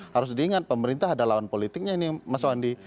harus diingat pemerintah ada lawan politiknya ini mas wandi